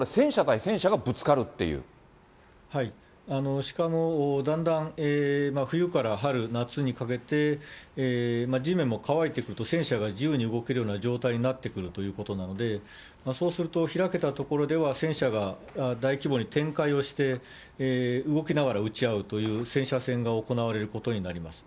これ、しかも、だんだん冬から春、夏にかけて、地面も乾いてくると、戦車が自由に動けるような状態になってくるということなので、そうすると、開けた所では戦車が大規模に展開をして、動きながら撃ち合うという、戦車戦が行われることになります。